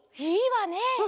いいわね。